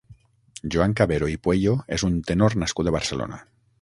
Joan Cabero i Pueyo és un tenor nascut a Barcelona.